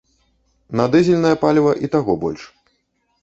На дызельнае паліва і таго больш.